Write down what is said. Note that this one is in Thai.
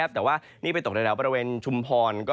แต่ว่านี่ไปตกในแถวบริเวณชุมพร